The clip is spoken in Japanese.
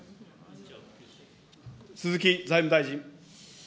鈴木財務大臣。